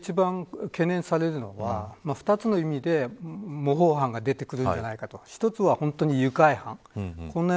この事件で一番懸念されるのは２つの意味で模倣犯が出てくるんじゃないかと。